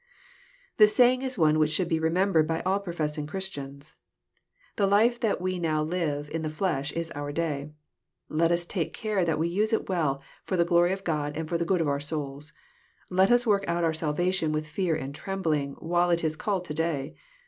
\ The saying is one which should be remembered by all professing Christians. The life that we now live in the flesh is our day. Let us take care that we use it well, for the glory of God and the good of our souls. Let us work out our salvation with fear and trembling, while it is called to day.